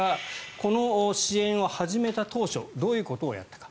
この支援を始めた当初どういうことをやったか。